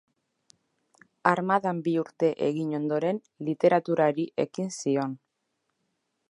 Armadan bi urte egin ondoren, literaturari ekin zion.